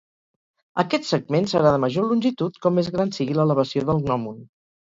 Aquest segment serà de major longitud com més gran sigui l'elevació del gnòmon.